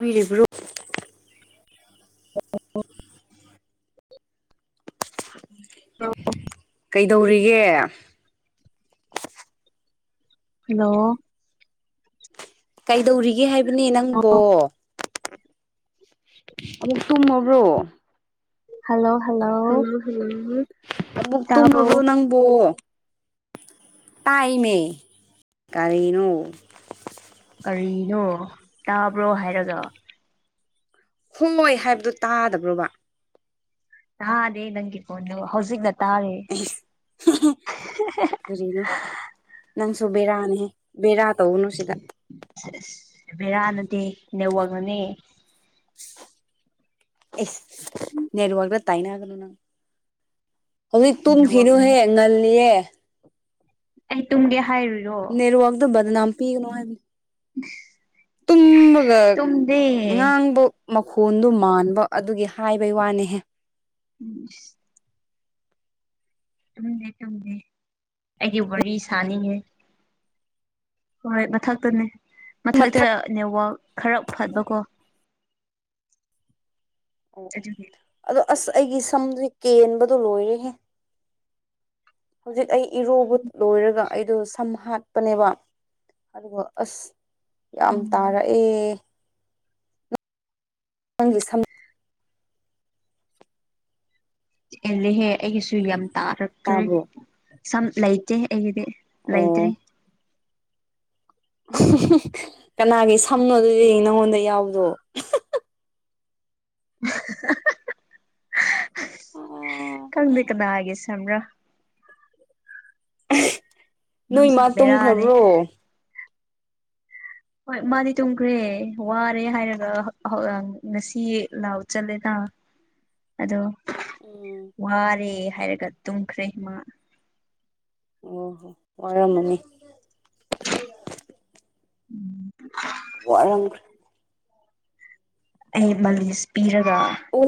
ꯎꯏꯔꯤꯕ꯭ꯔꯨ [unintelligible] ꯀꯩꯗꯧꯔꯤꯒꯦ ꯍꯜꯂꯣ ꯀꯩꯗꯧꯔꯤꯒꯦ ꯍꯥꯏꯕꯅꯦ ꯅꯪꯕꯣ ꯍꯜꯂꯣ ꯑꯃꯨꯛ ꯇꯨꯝꯃꯕ꯭ꯔꯣ ꯍꯜꯂꯣ ꯍꯜꯂꯣ ꯎꯝ ꯑꯃꯨꯛ ꯇꯥꯕ꯭ꯔꯣ ꯇꯨꯝꯃꯕꯣ ꯅꯪꯕꯨ ꯇꯥꯏꯃꯤ ꯀꯔꯤꯅꯣ ꯀꯔꯤꯅꯣ ꯇꯥꯕ꯭ꯔꯣ ꯍꯥꯏꯔꯒ ꯍꯨꯡꯉꯣꯏ ꯍꯥꯏꯕꯗꯨ ꯇꯥꯗꯕ꯭ꯔꯣꯕ ꯇꯥꯗꯦ ꯅꯪꯒꯤ ꯈꯣꯟꯗꯣ ꯍꯧꯖꯤꯛꯅ ꯇꯥꯔꯦ ꯀꯔꯤꯅꯣ ꯅꯪꯁꯨ ꯕꯦꯔꯥꯅꯦꯍꯦ ꯕꯦꯔꯥ ꯇꯧꯒꯅꯨ ꯁꯤꯗ ꯁ ꯏꯁ ꯕꯦꯔꯥ ꯅꯠꯇꯦ ꯅꯦꯋꯥꯛꯅꯅꯦ ꯑꯦꯁ ꯅꯦꯠꯋꯥꯛꯗ ꯇꯥꯏꯅꯒꯅꯨ ꯅꯪ ꯍꯧꯖꯤꯛ ꯇꯨꯝꯈꯤꯅꯨꯍꯦ ꯅꯦꯠꯋꯥꯛꯅꯅꯦ ꯉꯜꯂꯤꯌꯦ ꯑꯩ ꯇꯨꯝꯒꯦ ꯍꯥꯏꯔꯨꯔꯤ ꯅꯦꯔꯋꯥꯛꯗꯨ ꯕꯗꯅꯥꯝ ꯄꯤꯒꯅꯣ ꯍꯥꯏꯕꯥꯅꯤ [unintelligible] ꯇꯨꯝꯃꯒ ꯇꯨꯝꯗꯦ ꯉꯥꯡꯕ ꯃꯈꯣꯟꯗꯨ ꯃꯥꯟꯕ ꯑꯗꯨꯒꯤ ꯍꯥꯏꯕꯩ ꯋꯥꯅꯦꯍꯦ ꯎꯝ ꯏꯩꯁ ꯇꯨꯝꯗꯦ ꯇꯨꯝꯗꯦ ꯑꯩꯒꯤ ꯋꯥꯔꯤ ꯁꯥꯅꯤꯡꯉꯦ ꯍꯣꯏ ꯃꯊꯛꯇꯅꯦ ꯃꯊꯛꯇ ꯃꯊꯛ ꯅꯦꯋꯥꯛ ꯈꯔ ꯐꯠꯕꯀꯣ ꯑꯣ ꯑꯣ ꯑꯗꯨꯒꯤ ꯑꯗꯣ ꯑꯁ ꯑꯩꯒꯤ ꯁꯝꯖꯤ ꯀꯦꯟꯕꯗꯣ ꯂꯣꯏꯔꯦꯍꯦ ꯍꯧꯖꯤꯛ ꯑꯩ ꯏꯔꯨꯕꯨꯠ ꯂꯣꯏꯔꯒ ꯑꯩꯗꯣ ꯁꯝ ꯍꯥꯠ ꯄꯅꯦꯕ ꯑꯗꯨꯒ ꯑꯁ ꯌꯥꯝ ꯎꯝ ꯇꯥꯔꯛꯑꯦ ꯅꯪꯒꯤ ꯁꯝ ꯑꯦꯜꯂꯦꯍꯦ ꯑꯩꯒꯤꯁꯨ ꯌꯥꯝ ꯇꯥꯔꯛꯇ꯭ꯔꯦ ꯇꯥꯕ꯭ꯔꯣ ꯁꯝ ꯂꯩꯇꯦ ꯑꯩꯒꯤꯗꯤ ꯑꯣ ꯂꯩꯇ꯭ꯔꯤ ꯀꯅꯥꯒꯤ ꯁꯝꯅꯣ ꯑꯗꯨꯗꯤ ꯅꯪꯉꯣꯟꯗ ꯌꯥꯎꯕꯗꯣ ꯈꯪꯗꯦ ꯀꯅꯥꯒꯤ ꯁꯝꯔꯥ ꯅꯣꯏ ꯅꯪꯁꯨ ꯃꯥ ꯕꯦꯔꯥꯅꯤ ꯇꯨꯝꯈ꯭ꯔꯕ꯭ꯔꯣ ꯍꯣꯏ ꯃꯥꯗꯤ ꯇꯨꯝꯈ꯭ꯔꯦ ꯋꯥꯔꯦ ꯍꯥꯏꯔꯒ ꯍꯧꯍꯧ ꯑ ꯉꯁꯤ ꯂꯥꯎ ꯆꯠꯂꯦꯇꯥ ꯑꯗꯣ ꯎꯝ ꯋꯥꯔꯦ ꯍꯥꯏꯔꯒ ꯇꯨꯝꯈ꯭ꯔꯦ ꯃꯥ ꯑꯣ ꯍꯣ ꯋꯥꯔꯝꯃꯅꯤ ꯎꯝ ꯋꯥꯔꯝꯈꯔ꯭ꯦ ꯑꯩ ꯃꯥꯂꯤꯁ ꯄꯤꯔꯒ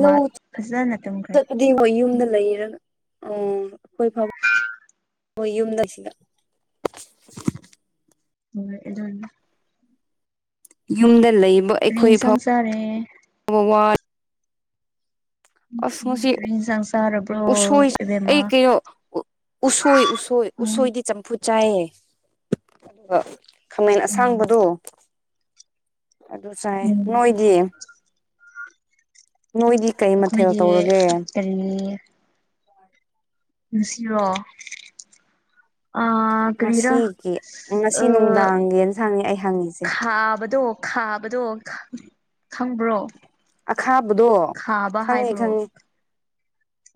ꯃꯥ ꯐꯖꯅ ꯇꯨꯝꯈ꯭ꯔꯦ ꯐꯗꯤ ꯃꯣꯏ ꯌꯨꯝꯗ ꯂꯩꯔꯒ ꯑꯎꯝ ꯑꯩꯈꯣꯏ ꯐ ꯍꯣꯏ ꯌꯨꯝꯗ ꯁꯤꯗ ꯍꯣꯏ ꯑꯗꯨꯗ ꯌꯨꯝꯗ ꯂꯩꯕ ꯀꯔꯤ ꯑꯩꯈꯣꯏ ꯐꯥꯎ ꯏꯟꯁꯥꯡ ꯆꯥꯔꯦ ꯕ ꯋꯥ ꯑꯁ ꯉꯁꯤ ꯀꯔꯤ ꯏꯟꯁꯥꯡ ꯆꯥꯔꯕ꯭ꯔꯣ ꯎꯁꯣꯏꯁ ꯆꯥ ꯏꯕꯦꯝꯃ ꯑꯩ ꯀꯩꯌꯣ ꯎꯁꯣꯏ ꯎꯁꯣꯏ ꯎꯝ ꯎꯁꯣꯏꯗꯤ ꯆꯝꯐꯨ ꯆꯥꯏꯌꯦ ꯑꯗꯨꯒ ꯈꯥꯃꯦꯟ ꯎꯝ ꯑꯁꯥꯡꯕꯗꯣ ꯑꯗꯨ ꯆꯥꯏ ꯅꯣꯏꯗꯤ ꯅꯣꯏꯗꯤ ꯀꯩ ꯃꯊꯦꯜ ꯇꯧꯔꯒꯦ ꯇꯜꯂꯤꯌꯦ ꯉꯁꯤꯔꯣ ꯑ ꯀꯔꯤꯔꯥ ꯉꯁꯤꯒꯤ ꯉꯁꯤ ꯅꯨꯡꯗꯥꯡꯒꯤꯅ ꯌꯦꯟꯁꯥꯡꯅꯤ ꯑꯩ ꯍꯪꯉꯤꯁꯦ ꯊꯥꯕꯗꯣ ꯈꯥꯕꯗꯣ ꯈꯪ ꯈꯪꯕ꯭ꯔꯣ ꯑꯈꯥꯕꯗꯣ ꯈꯥꯕ ꯈꯪꯉꯤ ꯍꯥꯏꯕ꯭ꯔꯣ ꯈꯪꯉꯤ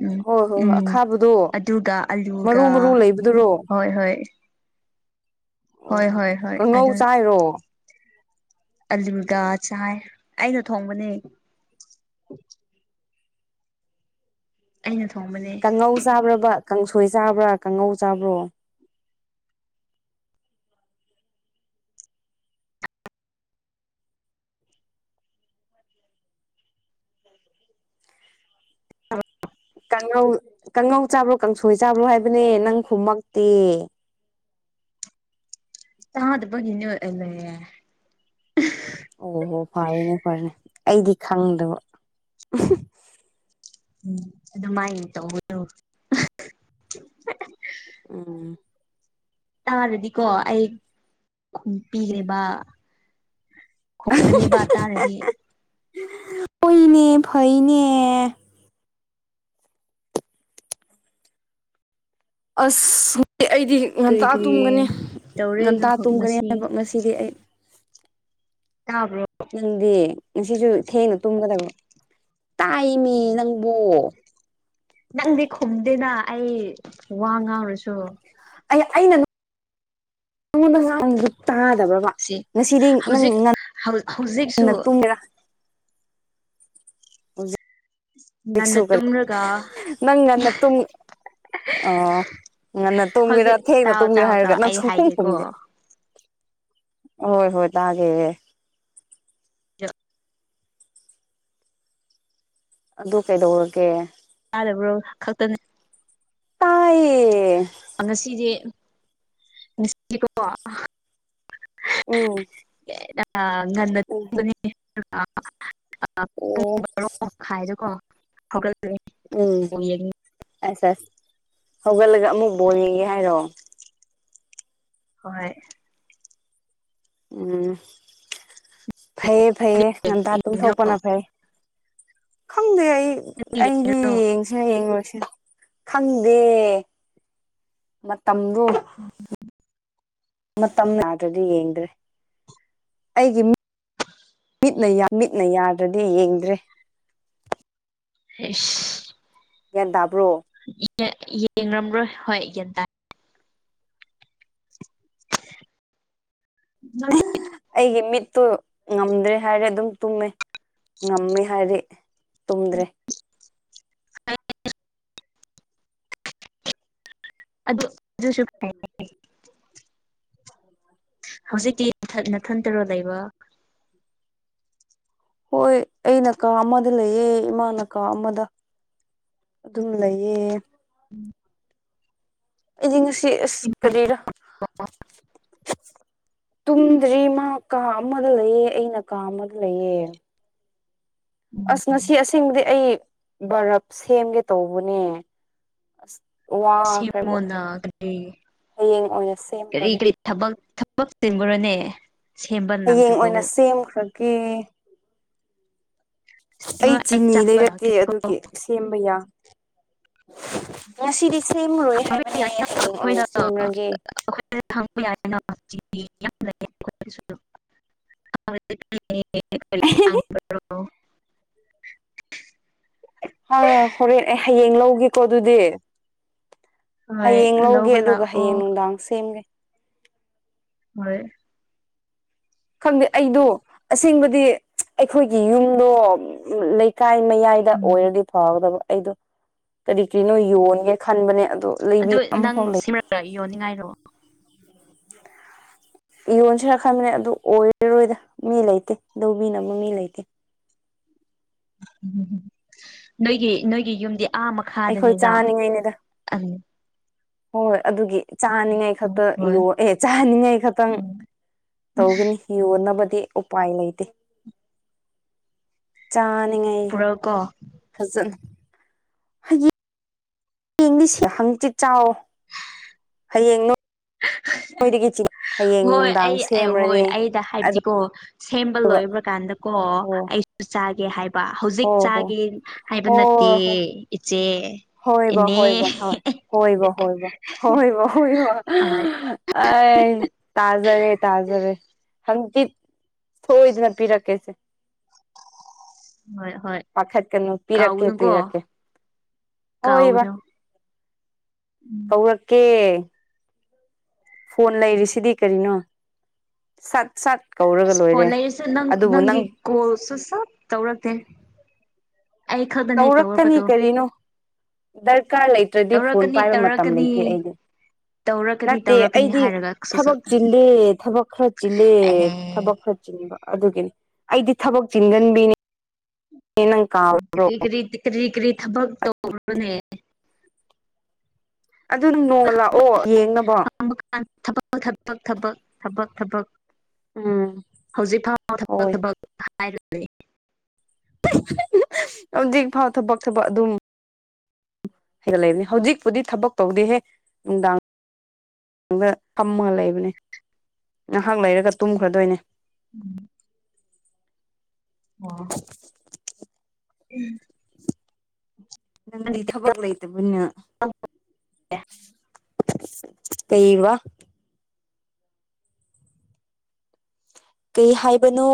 ꯎꯝ ꯍꯣꯏ ꯍꯣꯏ ꯍꯣꯏ ꯎꯝ ꯑꯈꯥꯕꯗꯣ ꯑꯗꯨꯒ ꯃꯔꯨ ꯑꯂꯨꯒ ꯃꯔꯨ ꯂꯩꯕꯗꯨꯔꯣ ꯍꯣꯏ ꯍꯣꯏ ꯑꯣ ꯍꯣꯏ ꯍꯣꯏ ꯍꯣꯏ ꯀꯥꯡꯉꯧ ꯆꯥꯏꯔꯣ ꯑꯂꯨꯒꯥ ꯆꯥꯏ ꯑꯩꯅ ꯊꯣꯡꯕꯅꯦ ꯑꯩꯅ ꯊꯣꯡꯕꯅꯦ ꯆꯥꯕ꯭ꯔꯥꯕ ꯀꯥꯡꯁꯣꯏ ꯆꯥꯕ꯭ꯔꯥ ꯀꯥꯡꯉꯧ ꯆꯥꯕ꯭ꯔꯣ [inaudible] ꯀꯥꯡꯉꯧ ꯀꯥꯡꯉꯧ ꯆꯥꯕ꯭ꯔꯣ ꯀꯥꯡꯁꯣꯏ ꯆꯥꯕ꯭ꯔꯣ ꯍꯥꯏꯕꯅꯦ ꯅꯪ ꯈꯨꯨꯝꯃꯛꯇꯦ ꯇꯥꯗꯕꯒꯤꯅꯤ ꯑꯦꯂꯦ ꯑꯣꯍꯣ ꯐꯔꯦꯅꯦ ꯐꯔꯦꯅꯦ ꯑꯩꯗꯤ ꯈꯪꯗꯕ ꯎꯝ ꯑꯗꯨꯃꯥꯏꯅ ꯇꯧꯕ [inaudible] ꯎꯝ ꯇꯥꯔꯗꯤꯀꯣ ꯑꯩ ꯈꯨꯝ ꯄꯤꯔꯦꯕ ꯈꯨꯝꯒꯅꯤꯕ ꯇꯥꯔꯗꯤ ꯍꯣꯏꯅꯦ ꯐꯩꯅꯦ ꯑꯁ ꯉ ꯑꯩꯗꯤ ꯀꯔꯤ ꯉꯟꯇꯥ ꯀꯔꯤ ꯇꯨꯝꯒꯅꯤ ꯇꯧꯔꯦ ꯉꯟꯇꯥ ꯇꯨꯝꯒꯅꯤ ꯉꯁꯤ ꯍꯥꯏꯕ ꯉꯁꯤꯗꯤ ꯑꯩ ꯇꯥꯕ꯭ꯔꫭ ꯅꯪꯗꯤ ꯉꯁꯤꯁꯨ ꯊꯦꯡꯅ ꯇꯨꯝꯒꯗꯕ꯭ꯔꯣ ꯇꯥꯏꯃꯤ ꯅꯪꯕꯣ ꯅꯪꯗꯤ ꯈꯨꯝꯗꯦꯅ ꯑꯩ ꯋꯥ ꯉꯥꯡꯔꯁꯨ ꯑꯩ ꯑꯩꯅ ꯅꯉꯣꯟꯗ ꯉꯥꯡ ꯗꯨ ꯇꯥꯗꯕ꯭ꯔꯕ ꯁꯤ ꯉꯁꯤꯗꯤ ꯅꯪ ꯍꯧꯖꯤꯛ ꯉꯟ ꯍꯧꯖꯤꯛꯁꯨ ꯉꯟꯅ ꯇꯨꯝꯒꯦꯔꯥ ꯉꯟꯅ ꯂꯤꯛꯁꯨꯒꯟ ꯇꯨꯝꯔꯒ ꯅꯪ ꯉꯟꯅ ꯇꯨꯝ ꯑꯣ ꯉꯟꯅ ꯇꯣꯒꯦꯔ ꯍꯧꯖꯤꯛ ꯊꯦꯡꯅ ꯇꯥꯎ ꯇꯣꯝꯒꯦꯔꯥ ꯇꯥꯎ ꯍꯥꯏꯔꯒ ꯇꯥꯎ ꯅꯪ ꯑꯩ ꯁꯨꯡꯈꯨꯝ ꯈꯨꯝꯗꯦ ꯍꯥꯏꯒꯦꯀꯣ ꯍꯣꯏ ꯍꯣꯏ ꯇꯥꯒꯦ ꯑꯗꯨ ꯀꯩꯗꯧꯔꯒꯦ ꯇꯥꯔꯕ꯭ꯔꯣ ꯈꯛꯇꯅꯦ ꯇꯥꯏꯌꯦ ꯑꯦ ꯉꯁꯤꯗꯤ ꯉꯁꯤ [unintelligible] ꯎꯝ ꯑꯦ ꯎꯝ [unintelligible] [unintelligible] ꯄꯨꯡ ꯑꯣ ꯕꯥꯔꯣ ꯃꯈꯥꯢꯗꯥꯀꯣ ꯍꯧꯒꯠꯀꯥꯅꯤ ꯎꯝ ꯑꯦꯁ ꯁꯦꯁ ꯍꯧꯒꯠꯂꯒ ꯑꯃꯨꯛ ꯕꯣꯜ ꯉꯦꯡꯒꯦ ꯍꯥꯏꯔꯣ ꯍꯣꯏ ꯎꯝ ꯐꯩꯌꯦ ꯐꯩꯌꯦ ꯉꯟꯇꯥ ꯌꯦꯡꯒꯦꯔꯣ ꯇꯨꯝꯊꯣꯛꯄꯅ ꯐꯩ ꯈꯪꯗꯦ ꯑꯩ ꯅꯪꯗꯤ ꯑꯩꯗꯤ ꯌꯦꯡꯒꯦꯔꯣ ꯌꯦꯡꯁꯤꯔ ꯌꯦꯡꯉꯣꯢꯁꯤꯔ ꯈꯪꯗꯦ ꯃꯇꯝꯗꯨ [unintelligible] ꯃꯇꯝ ꯌꯥꯗ꯭ꯔꯗꯤ ꯌꯦꯡꯗ꯭ꯔꯦ ꯑꯩꯒꯤ ꯃꯤ ꯃꯤꯠꯅ ꯃꯤꯠꯅ ꯌꯥꯗ꯭ꯔꯗꯤ ꯌꯦꯡꯗ꯭ꯔꯦ ꯏꯁ ꯒ꯭ꯌꯥꯟ ꯇꯥꯕ꯭ꯔꯣ ꯌꯦꯡ ꯌꯦꯡꯔꯝꯔꯣꯏ ꯍꯣꯏ ꯒꯌ꯭ꯥꯟ ꯇꯥꯏ [unintelligible] ꯑꯩꯒꯤ ꯃꯤꯠꯇꯨ ꯉꯝꯗ꯭ꯔꯦ ꯍꯥꯏꯔꯦ ꯑꯗꯨꯝ ꯇꯨꯝꯃꯦ ꯉꯝꯃꯦ ꯍꯥꯏꯔꯦ ꯇꯨꯝꯗ꯭ꯔꯦ ꯑꯗꯨ ꯑꯗꯨꯁꯨ ꯐꯩ ꯍꯧꯖꯤꯛꯇꯤ ꯅꯊꯟ ꯅꯊꯟꯇꯔꯣ ꯂꯩꯕ ꯍꯣꯏ ꯑꯩꯩꯅ ꯀꯥ ꯑꯃꯗ ꯂꯩꯌꯦ ꯏꯃꯥꯅ ꯀꯥ ꯑꯃꯗ ꯑꯗꯨꯝ ꯂꯩꯌꯦ ꯎꯝ ꯑꯩꯗꯤ ꯉꯁꯤ ꯑꯁ ꯀꯔꯤꯔ ꯇꯨꯝꯗ꯭ꯔꯤ ꯃꯥ ꯀꯥ ꯑꯃꯗ ꯂꯩꯌꯦ ꯑꯩꯅ ꯀꯥ ꯑꯃꯗ ꯂꯩꯌꯦ ꯑꯁ ꯉꯁꯤ ꯑꯁꯦꯡꯕꯗꯤ ꯑꯩ ꯕꯔꯞ ꯁꯦꯝꯒꯦ ꯇꯧꯕꯅꯦ ꯑꯁ ꯋꯥꯈ꯭ꯔꯦꯕ ꯁꯦꯝꯃꯣꯅ ꯀꯔꯤ ꯍꯌꯦꯡ ꯑꯣꯏꯅ ꯀꯔꯤ ꯁꯦꯝꯕꯒꯅꯦ ꯀꯔꯤ ꯊꯕꯛ ꯊꯕꯛ ꯆꯤꯟꯕꯔꯣꯅꯦ ꯍꯌꯦꯡ ꯑꯣꯏꯅ ꯁꯦꯝꯈ꯭ꯔꯒꯦ ꯀꯩꯅꯣ ꯑꯩ ꯆꯤꯅꯤ ꯆꯥꯕ ꯂꯩꯔꯛꯇꯦ ꯂꯥꯛꯀꯦꯀꯣ ꯑꯗꯨꯒꯤ ꯁꯦꯝꯕ ꯌꯥ ꯉꯁꯤꯗꯤ ꯁꯦꯝꯃꯥꯔꯣꯏ ꯍꯥꯏꯕꯅꯦ ꯍꯌꯦꯡ ꯑꯣꯏꯅ ꯁꯦꯝꯂꯒꯦ ꯑꯈꯣꯢꯗ ꯇꯝꯕ ꯌꯥꯢꯅ ꯆꯤꯅꯤ ꯌꯥꯝ ꯂꯩꯌꯦ ꯑꯇꯣꯢꯗꯁꯨ [unintelligible] [unintelligible] ꯍꯪꯕ꯭ꯔꯣ ꯑꯥ ꯍꯣꯔꯦꯟ ꯑꯩ ꯍꯌꯦꯡ ꯂꯧꯒꯦꯀꯣ ꯑꯗꯨꯗꯤ ꯍꯣꯏ ꯍꯌꯦꯡ ꯂꯧꯒꯦ ꯂꯧꯕ ꯑꯗꯨꯒ ꯂꯥꯛꯑꯣ ꯍꯌꯦꯡ ꯅꯨꯡꯗꯥꯡ ꯁꯦꯝꯒꯦ ꯍꯣꯏ ꯈꯪꯗꯦ ꯑꯩꯗꯣ ꯑꯁꯦꯡꯕꯗꯤ ꯑꯩꯈꯣꯏꯒꯤ ꯌꯨꯝꯗꯣ ꯂꯩꯀꯥꯏ ꯃꯌꯥꯏ ꯗ ꯎꯝ ꯑꯣꯏꯔꯗꯤ ꯐꯥꯎꯒꯗꯕ ꯑꯩꯗꯣ ꯀꯔꯤ ꯀꯔꯤꯅꯣ ꯌꯣꯟꯒꯦ ꯈꯟꯕꯅꯦ ꯑꯣ ꯂꯩꯕꯤ ꯑꯃꯐꯥꯎ ꯂꯩ ꯌꯣꯟꯅꯤꯡꯉꯥꯏꯗꯣ ꯌꯣꯟꯁꯤꯔ ꯈꯟꯕꯅꯦ ꯑꯗꯨ ꯑꯣꯏꯔꯔꯣꯏꯗ ꯃꯤ ꯂꯩꯇꯦ ꯂꯧꯕꯤꯅꯕ ꯃꯤ ꯂꯩꯇꯦ ꯎꯝ ꯅꯣꯏꯒꯤ ꯅꯣꯏꯒꯤ ꯌꯨꯝꯗꯤ ꯑꯥ ꯑꯩꯈꯣꯏ ꯃꯈꯥꯗꯅꯤꯅ ꯆꯥꯅꯤꯡꯉꯥꯏꯅꯤꯗ ꯑꯗꯨ ꯍꯣꯏ ꯑꯗꯨꯒꯤ ꯆꯥꯅꯤꯉꯥꯏ ꯈꯛꯇ ꯍꯣꯏ ꯌꯣꯛ ꯑꯦ ꯆꯥꯅꯤꯡꯉꯥꯏ ꯈꯛꯇꯪ ꯇꯧꯒꯅꯤ ꯌꯣꯟꯅꯕꯗꯤ ꯎꯄꯥꯏ ꯂꯩꯇꯦ ꯆꯥꯅꯤꯡꯉꯥꯏ ꯄꯨꯔꯛꯎꯀꯣ ꯐꯖꯅ ꯍꯩꯌꯦ ꯃꯤꯁ ꯍꯪꯆꯤꯛ ꯆꯥꯎ ꯍꯌꯦꯡ ꯃꯣꯏꯗꯒꯤ ꯆ ꯍꯌꯦꯡ ꯅꯨꯡꯗꯥꯡ ꯁꯦꯝꯔꯅꯤ ꯗ ꯑꯗꯨꯒ ꯍꯥꯏꯕꯗꯤꯀꯣ ꯁꯦꯝꯕ ꯂꯣꯏꯕ꯭ꯔ ꯀꯥꯟꯗ ꯀꯣ ꯑꯩꯁꯨ ꯆꯥꯒꯦ ꯍꯥꯏꯕ ꯕ ꯍꯧꯖꯤꯛ ꯆꯥꯒ ꯍꯥꯏꯕ ꯅꯠꯇꯦ ꯏꯆꯦ ꯍꯣꯢꯕ ꯏꯅꯦ ꯍꯣꯢꯕ ꯍꯣꯢ ꯍꯣꯢꯕ ꯍꯣꯢꯕ ꯍꯣꯢꯕ ꯍꯣꯢꯕ ꯍꯣꯏ ꯑ ꯇꯥꯖꯔꯦ ꯇꯥꯖꯔꯦ ꯍꯪꯒꯤ ꯁꯣꯢꯗꯅ ꯄꯤꯔꯛ ꯀꯦꯁꯦ ꯍꯣꯏ ꯍꯣꯏ ꯄꯥꯈꯠꯀꯅꯨ ꯄꯤꯔꯛꯀꯦ ꯀꯥꯎꯒꯅꯨꯀꯣ ꯄꯤꯔꯛꯀꯦ ꯀꯥꯎꯒꯅꯨ ꯍꯧꯔꯛꯀꯦ ꯐꯣꯟ ꯂꯩꯔꯤꯁꯤꯗꯤ ꯀꯔꯤꯅꯣ ꯁꯛ ꯁꯛ ꯀꯧꯔꯒ ꯂꯣꯏꯔꯦ ꯑꯗꯨꯕꯨ ꯅꯪ ꯀꯣꯜꯁꯨ ꯁꯞ ꯇꯧꯔꯛꯇꯦ ꯑꯩ ꯈꯛꯇꯅꯦ ꯇꯧꯔꯛꯀꯅꯤ ꯇꯧꯔꯛꯄꯗꯣ ꯀꯔꯤꯅꯣ ꯗꯔꯀꯥꯔ ꯂꯩꯇ꯭ꯔꯗꯤ ꯐꯣꯟ ꯇꯧꯔꯛꯀꯅꯤ ꯄꯥꯏꯕ ꯃꯇꯝ ꯇꯧꯔꯛꯀꯅꯤ ꯂꯩꯇꯦ ꯑꯩꯗꯤ ꯇꯧꯔꯛꯀꯅꯤ ꯅꯠꯇꯦ ꯇꯧꯔꯛꯀꯅꯤ ꯑꯩꯗꯤ ꯍꯥꯏꯔꯒ ꯊꯕꯛ ꯁꯨꯡꯇꯧ ꯆꯤꯜꯂꯦ ꯊꯕꯛ ꯈꯔ ꯆꯤꯜꯂꯦ ꯑꯦꯍꯦ ꯊꯕꯛ ꯈꯔ ꯕ ꯑꯗꯨꯒꯤꯅꯤ ꯑꯩꯗꯤ ꯊꯕꯛ ꯆꯤꯟꯒꯟꯕꯤꯅꯤ ꯀꯔꯤ ꯀꯔꯤ ꯀꯔꯤ ꯀꯔꯤ ꯊꯕꯛ ꯇꯧꯕ꯭ꯔꯣꯅꯦ ꯑꯗꯨꯅꯨꯡ ꯅꯣꯡꯃ ꯂꯥꯛꯑꯣ ꯌꯦꯡꯅꯕꯣ ꯕ ꯀꯥꯟ ꯊꯛ ꯊꯕꯛ ꯊꯕꯛ ꯊꯕꯛ ꯊꯕꯛ ꯎꯝ ꯍꯧꯖꯤꯛ ꯐꯥꯎ ꯊꯕꯛ ꯍꯣꯏ ꯊꯕꯛ ꯍꯥꯏꯔ ꯂꯩꯔꯦ ꯍꯧꯖꯤꯛ ꯐꯥꯎ ꯊꯕꯛ ꯊꯕꯛ ꯑꯗꯨꯝ ꯍꯗ ꯂꯩꯕꯅꯤ ꯍꯧꯖꯤꯛꯄꯨꯗꯤ ꯊꯕꯛ ꯇꯧꯗꯦꯍꯦ ꯅꯨꯡꯗꯥꯡ ꯗ ꯇꯝꯃꯒ ꯂꯩꯕꯅꯦ ꯉꯥꯏꯍꯥꯛ ꯂꯩꯔꯒ ꯇꯨꯝꯈ꯭ꯔꯗꯣꯏꯅꯦ ꯎꯝ ꯑꯣ [unintelligible] ꯅꯪꯗꯤ ꯊꯕꯛ ꯂꯩꯇꯕꯅꯤꯅ ꯀꯩꯕ ꯀꯩ ꯍꯥꯏꯕꯅꯣ